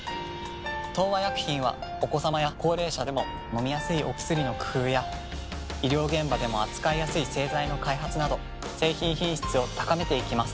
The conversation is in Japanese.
東和薬品はお子さまや高齢者でも飲みやすいお薬の工夫や医療現場でも扱いやすい製剤の開発など製品品質を高めていきます。